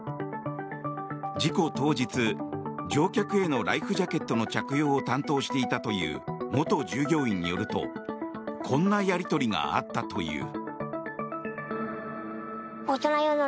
事故当日乗客へのライフジャケットの着用を担当していたという元従業員によるとこんなやり取りがあったという。